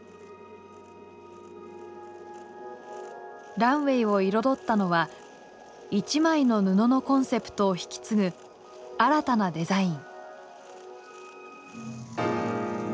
ランウェイを彩ったのは「一枚の布」のコンセプトを引き継ぐ新たなデザイン。